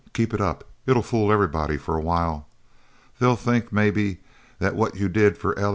Keep it up. It'll fool everybody for a while. They'll think, maybe, that what you did for L.